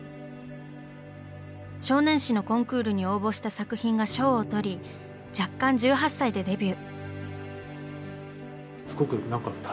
少年誌のコンクールに応募した作品が賞をとり弱冠１８歳でデビュー。